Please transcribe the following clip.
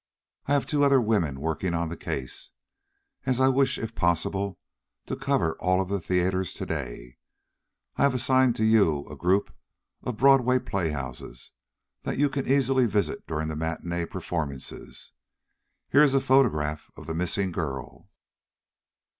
I have two other women working on the case, as I wish if possible to cover all of the theaters today. I have assigned to you a group of Broadway playhouses that you can easily visit during the matinee performances. Here is a photograph of the missing girl."